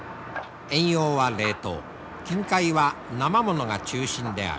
遠洋は冷凍近海はなま物が中心である。